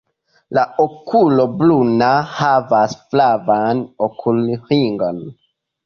La okulo bruna havas flavan okulringon.